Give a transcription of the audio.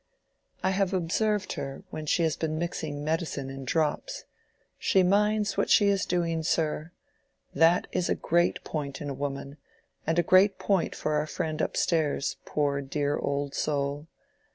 "I have observed her when she has been mixing medicine in drops. She minds what she is doing, sir. That is a great point in a woman, and a great point for our friend up stairs, poor dear old soul.